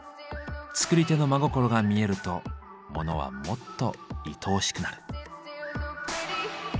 作り手の真心が見えるとモノはもっといとおしくなる。